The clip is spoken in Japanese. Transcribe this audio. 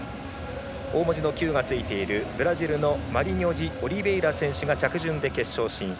大文字のＱがついているブラジルのマリニョジオリベイラ選手が着順で決勝進出。